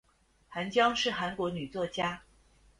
韩江是韩国女作家。